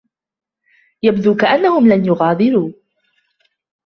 يبدو كأنهم لن يغادروا.